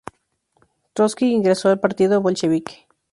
Trotsky ingresó al partido bolchevique.